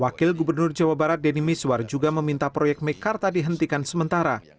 wakil gubernur jawa barat denny miswar juga meminta proyek mekarta dihentikan sementara